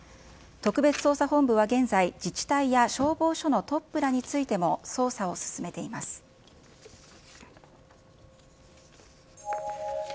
特別捜査本部は現在、自治体や消防署のトップらについても捜査を進めています。